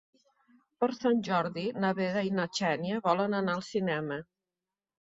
Per Sant Jordi na Vera i na Xènia volen anar al cinema.